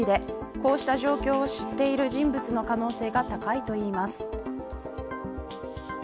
こうした状況を知っている人物の可能性が高いといいます。